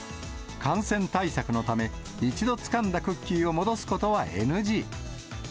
感染対策のため、一度つかんだクッキーを戻すことはＮＧ。